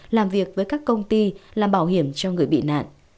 làm việc với các công ty làm bảo hiểm cho người bị nạn